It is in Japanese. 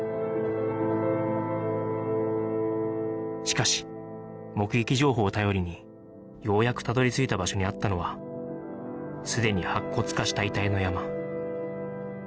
しかし目撃情報を頼りにようやくたどり着いた場所にあったのはすでに白骨化した遺体の山